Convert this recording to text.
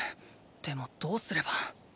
でもどうすれば。